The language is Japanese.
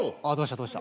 どうした？